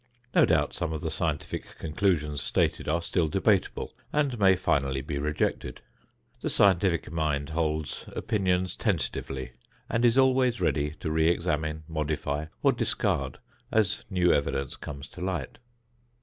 No doubt some of the scientific conclusions stated are still debatable and may finally be rejected. The scientific mind holds opinions tentatively and is always ready to reexamine, modify or discard as new evidence comes to light.